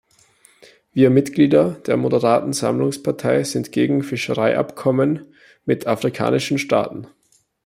Wir Mitglieder der Moderaten Sammlungspartei sind gegen Fischereiabkommen mit afrikanischen Staaten.